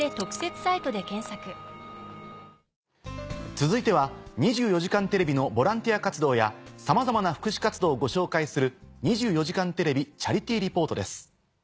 続いては『２４時間テレビ』のボランティア活動やさまざまな福祉活動をご紹介する。